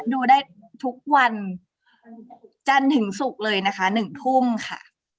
ดูได้ทุกวันจันทร์ถึงศุกร์เลยนะคะ๑ทุ่มค่ะ